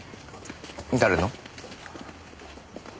誰の？